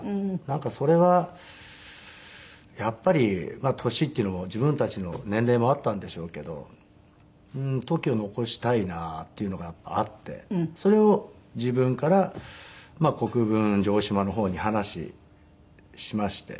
なんかそれはやっぱり年っていうのも自分たちの年齢もあったんでしょうけどＴＯＫＩＯ残したいなっていうのがやっぱあってそれを自分から国分城島の方に話しまして。